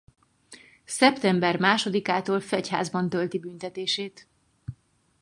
Szeptember másodikától fegyházban tölti büntetését.